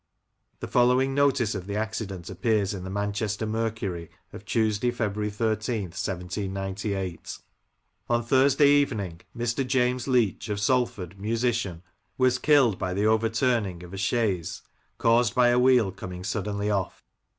The following notice of the accident appears in the Manchester Mercury of Tuesday, February 13, 1798 :—" On Thursday evening, Mr, James Leach, of Salford, musician, was killed by the overturning of a chaise caused by a wheel coming suddenly off.